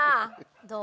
どう？